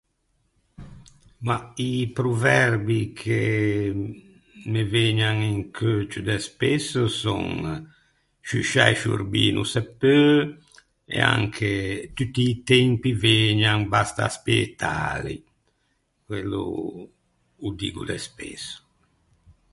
Mah, i proverbi che me vëgnan in cheu ciù de spesso son «sciusciâ e sciorbî no se peu», e anche «tutti i tempi vëgnan, basta aspëtâli», quello ô diggo de spesso.